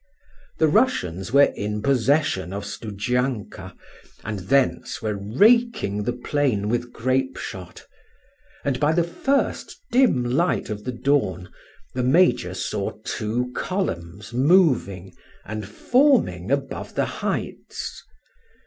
The Russians were in possession of Studzianka, and thence were raking the plain with grapeshot; and by the first dim light of the dawn the major saw two columns moving and forming above the heights.